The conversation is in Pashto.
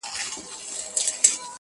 لپاره دې ښار كي په جنگ اوسېږم’